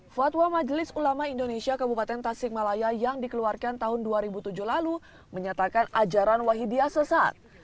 fatwa majelis ulama indonesia kabupaten tasikmalaya yang dikeluarkan tahun dua ribu tujuh lalu menyatakan ajaran wahidiyah sesat